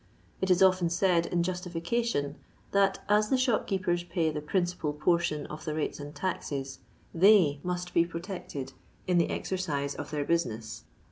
It is often said, in justification, that as the shopkeepers pay the principal portion of the rates and taxes, they must be protected m the exercise of their business.